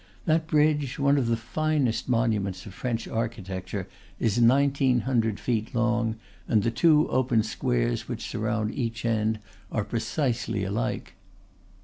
That bridge, one of the finest monuments of French architecture, is nineteen hundred feet long, and the two open squares which surround each end are precisely alike.